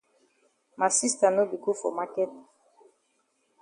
Ma sista no be go for maket.